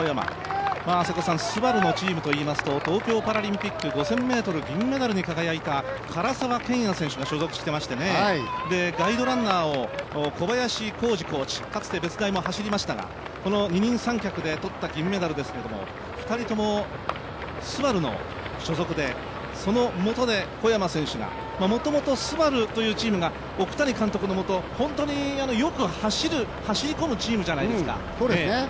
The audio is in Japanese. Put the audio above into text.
ＳＵＢＡＲＵのチームといいますと、東京パラリンピック５０００ｍ銀メダルに輝いたからさわ選手も所属してましてねガイドランナーを小林光二コーチ、かつて別大も走りましたが、この二人三脚で取った銀メダルですけど２人ともＳＵＢＡＲＵの所属でそのもとで小山選手が、もともとＳＵＢＡＲＵというチームが奥谷監督のもと、よく走り込むチームじゃないですか。